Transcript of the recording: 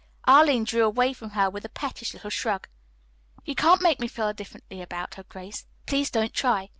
Arline drew away from her with a pettish little shrug. "You can't make me feel differently about her, Grace. Please don't try.